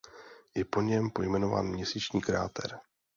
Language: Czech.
Je po něm pojmenován měsíční kráter.